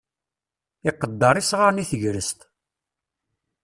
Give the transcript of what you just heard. Iqedder isɣaren i tegrest.